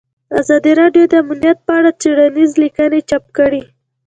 ازادي راډیو د امنیت په اړه څېړنیزې لیکنې چاپ کړي.